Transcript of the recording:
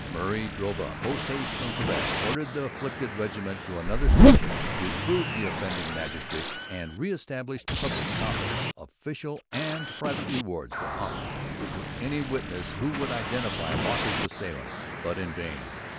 Murray drove up, post haste, from Quebec, ordered the affected regiment to another station, reproved the offending magistrates, and re established public confidence. Official and private rewards were offered to any witnesses who would identify Walker's assailants. But in vain.